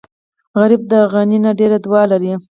غریب د غني نه ډېره دعا لري